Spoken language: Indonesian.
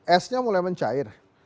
esnya mulai mencair